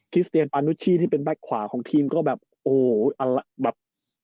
สเตียนปานุชชี่ที่เป็นแก๊กขวาของทีมก็แบบโอ้โหแบบ